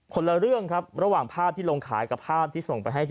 คนละเรื่องครับระหว่างภาพที่ลงขายกับภาพที่ส่งไปให้